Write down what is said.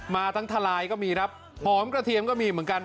มาทั้งทลายก็มีครับหอมกระเทียมก็มีเหมือนกัน